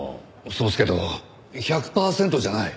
そうですけど１００パーセントじゃない。